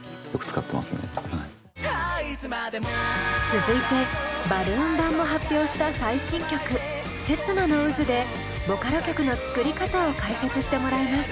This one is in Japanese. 続いてバルーン版も発表した最新曲「刹那の渦」でボカロ曲の作り方を解説してもらいます。